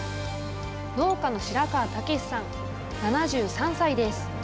農家の白川猛士さん７３歳です。